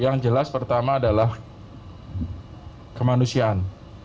yang jelas pertama adalah kemanusiaan